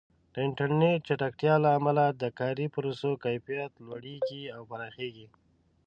د انټرنیټ د چټکتیا له امله د کاري پروسو کیفیت لوړېږي او پراخېږي.